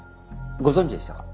ご存じでしたか？